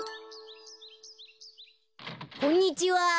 こんにちは。